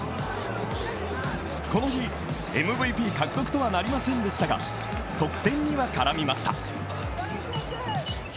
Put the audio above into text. この日、ＭＶＰ獲得とはなりませんでしたが得点には絡みました。